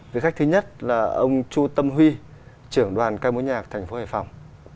vị khách thứ nhất là ông chu tâm huy trưởng đoàn ca mối nhạc thành phố hải phòng